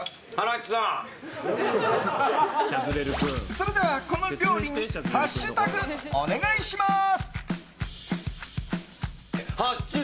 それではこの料理にハッシュタグ、お願いします。